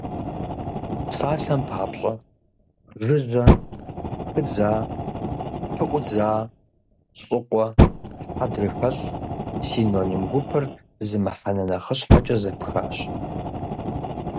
Псалъэм папщӏэ, жыжьэ, пхыдза, пыӀудза, щӀыкъуэ, хьэдрыхэщӀ – синоним гупыр зы мыхьэнэ нэхъыщхьэкӀэ зэпхащ.